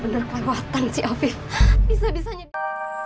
bener bener kawatan si afif bisa bisanya